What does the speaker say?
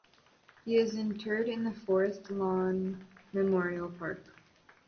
He is interred in the Forest Lawn Memorial Park.